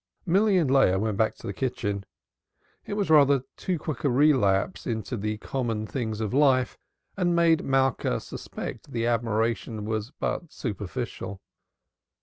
Milly and Leah went back into the kitchen. It was rather too quick a relapse into the common things of life and made Malka suspect the admiration was but superficial.